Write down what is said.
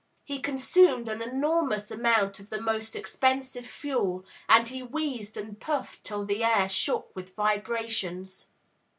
He consumed an enormous amount of the most expensive fuel, and he wheezed and puffed till the air shook with vibrations.